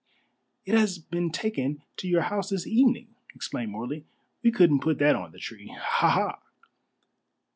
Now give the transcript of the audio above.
"It has been taken to your house this evening," explained Morley. "We couldn't put that on the tree. Ha! ha!"